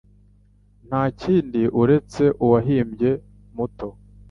Ntakindi uretse uwahimbye muto.